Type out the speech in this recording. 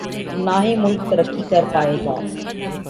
نہ ہی ملک ترقی کر پائے گا۔